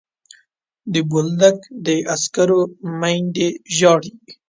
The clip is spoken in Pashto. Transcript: بولدک د عسکرو میندې ژاړي.